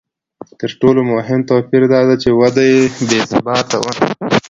تر ټولو مهم توپیر دا دی چې وده بې ثباته وي